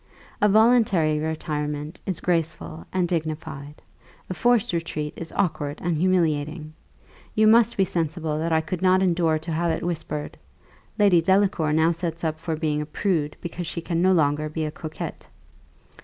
A voluntary retirement is graceful and dignified; a forced retreat is awkward and humiliating. You must be sensible that I could not endure to have it whispered 'Lady Delacour now sets up for being a prude, because she can no longer be a coquette.